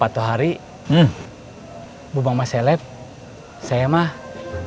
terima kasih pak